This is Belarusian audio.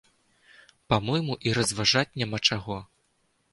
Па-мойму, і разважаць няма чаго!